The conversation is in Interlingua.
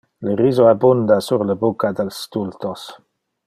Le riso abunda sur le bucca del stultos.